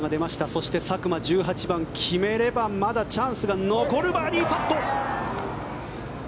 そして、佐久間、１８番決めればまだチャンスが残るバーディーパット。